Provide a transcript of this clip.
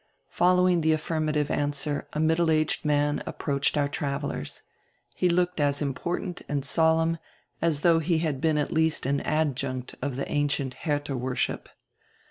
Following die affirmative answer a middle aged man ap proached our travelers. He looked as important and solemn as though he had been at least an adjunct of die ancient Herdia worship.